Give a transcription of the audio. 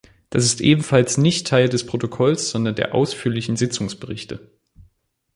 Das ist ebenfalls nicht Teil des Protokolls, sondern der Ausführlichen Sitzungsberichte.